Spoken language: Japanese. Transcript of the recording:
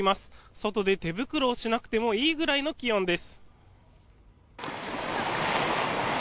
外で手袋をしなくてもいいくらいの気温です。